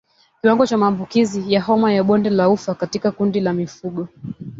Kiwango cha maambukizi ya homa ya bonde la ufa katika kundi la mifugo